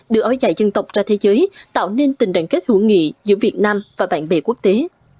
đưa áo dài dân tộc ra thế giới tạo nên tình đoàn kết hữu nghị giữa việt nam và bạn bè quốc tế